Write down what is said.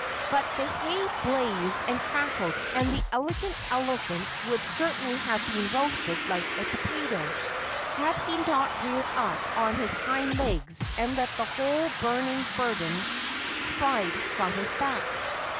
But the hay blazed and crackled and the Elegant Elephant would certainly have been roasted like a potato, had he not reared up on his hind legs and let the whole burning burden slide from his back.